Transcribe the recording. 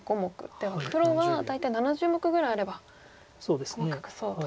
では黒は大体７０目ぐらいあれば細かそうと。